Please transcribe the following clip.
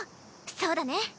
そうだね。